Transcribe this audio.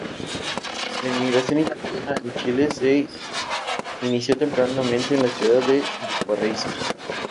La inmigración italiana en Chile, se inició tempranamente en la Ciudad de Valparaíso.